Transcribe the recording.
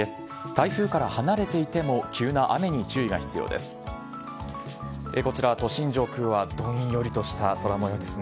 台風から離れていても、急な雨に注意が必要です。